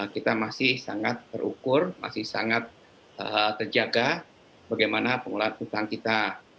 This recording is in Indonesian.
kita masih sangat terukur masih sangat terjaga bagaimana pengolahan utang kita